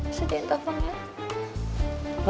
mas aja yang tahan ya